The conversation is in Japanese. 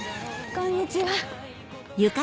こんにちは。